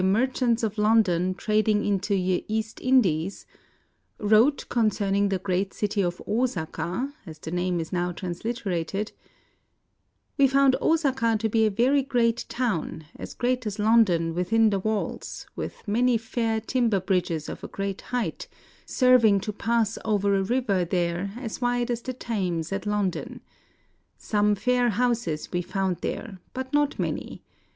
mar chants of London trading into ye. East In dyes," wrote concerning the great city of Osaka (as the name is now transliterated) :—" We found Osaca to be a very great towne, as great as London within the walls, with many faire timber bridges of a great height, seruing to passe ouer a riuer there as wide as the Thames at London. Some faire houses / IN OSAKA 133 we found there, but not many.